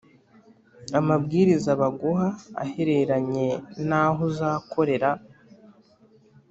amabwiriza baguha ahereranye n’aho uzakorera